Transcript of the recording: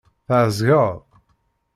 Tɛeẓged?